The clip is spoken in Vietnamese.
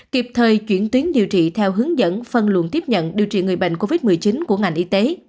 kịp thời chuyển tuyến điều trị theo hướng dẫn phân luận tiếp nhận điều trị người bệnh covid một mươi chín của ngành y tế